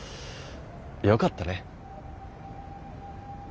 よかったね。